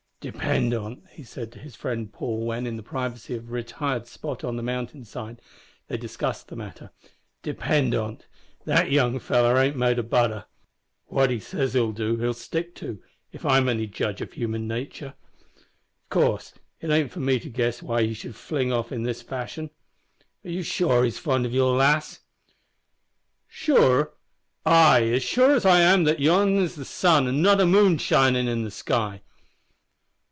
"Depend on't," he said to his friend Paul, when, in the privacy of a retired spot on the mountain side, they discussed the matter "depend on't, that young feller ain't made o' butter. What he says he will do he'll stick to, if I'm any judge o' human natur. Of course it ain't for me to guess why he should fling off in this fashion. Are ye sure he's fond o' your lass?" "Sure? Ay, as sure as I am that yon is the sun an' not the moon a shinin' in the sky."